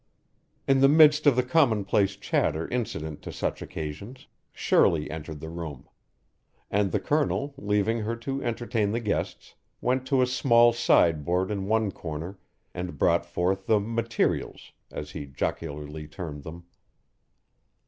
In the midst of the commonplace chatter incident to such occasions, Shirley entered the room; and the Colonel, leaving her to entertain the guests, went to a small sideboard in one corner and brought forth the "materials," as he jocularly termed them.